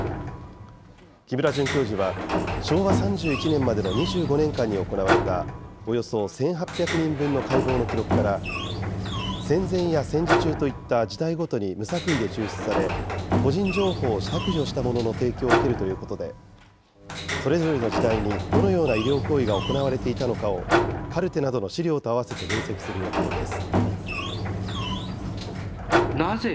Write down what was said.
木村准教授は、昭和３１年までの２５年間に行われたおよそ１８００人分の解剖の記録から、戦前や戦時中といった時代ごとに無作為で抽出され、個人情報を削除したものの提供を受けるということで、それぞれの時代にどのような医療行為が行われていたのかをカルテなどの資料とあわせて分析する予定です。